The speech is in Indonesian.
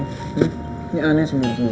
nih ini aneh sih menurut gue